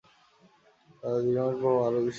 যার দীর্ঘমেয়াদী প্রভাব আরও প্রশ্নবিদ্ধ।